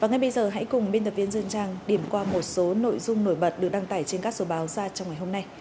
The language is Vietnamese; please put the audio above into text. ngay bây giờ hãy cùng biên tập viên dương trang điểm qua một số nội dung nổi bật được đăng tải trên các số báo ra trong ngày hôm nay